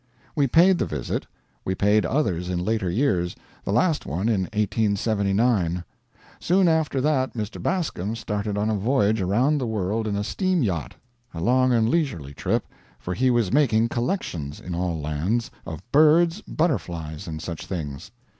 We paid the visit. We paid others, in later years the last one in 1879. Soon after that Mr. Bascom started on a voyage around the world in a steam yacht a long and leisurely trip, for he was making collections, in all lands, of birds, butterflies, and such things.